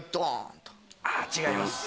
違います。